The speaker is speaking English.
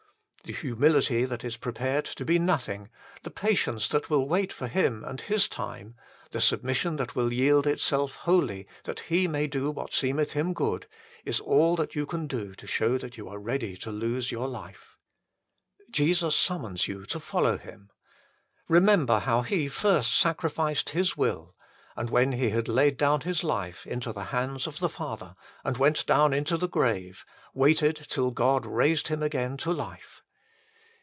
The humility that is prepared to be nothing, the patience that will wait for Him and His time, the submission that will yield itself wholly that He may do what seemeth Him good, is all that you can do to show that you are ready to lose your life. Jesus summons you to follow Him. Eemember how He first sacrificed His will, and when He had laid down His life into the hands of the Father, and went down into the grave, waited till God raised Him again to life.